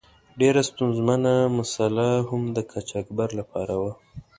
ډیره ستونزمنه مساله هم د قاچاقبر له پاره وه.